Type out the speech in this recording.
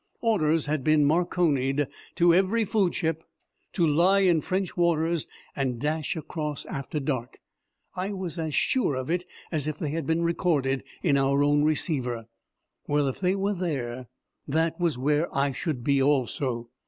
Orders had been marconied to every foodship to lie in French waters and dash across after dark. I was as sure of it as if they had been recorded in our own receiver. Well, if they were there, that was where I should be also.